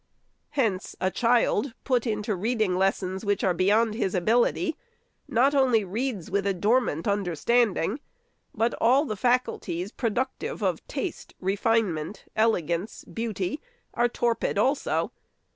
Hence, a child, put into reading les sons which are beyond his ability, not only reads with a dormant understanding, but all the faculties, productive of taste, refinement, elegance, beauty, are torpid also.